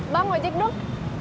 bang ojek dong